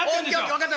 分かった。